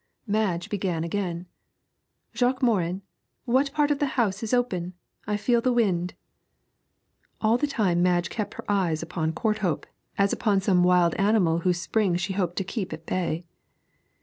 Madge began again. 'Jacques Morin, what part of the house is open? I feel the wind.' All the time Madge kept her eyes upon Courthope, as upon some wild animal whose spring she hoped to keep at bay.